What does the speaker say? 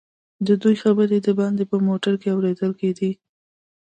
ددوئ خبرې دباندې په موټر کې اورېدل کېدې.